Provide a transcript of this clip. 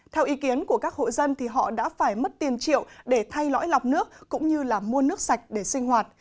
theo ý kiến của các hộ dân thì họ đã phải mất tiền triệu để thay lõi lọc nước cũng như là mua nước sạch để sinh hoạt